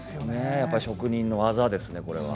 やっぱり職人の技ですね、これは。